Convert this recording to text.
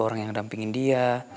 orang yang dampingin dia